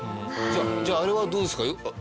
じゃああれはどうですか？